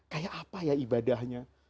kayak apa ya ibadahnya